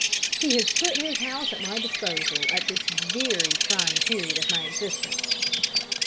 He has put his house at my disposal at this very trying period of my existence."